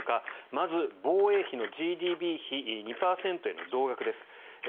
まず、防衛費のＧＤＰ比２％への増額です。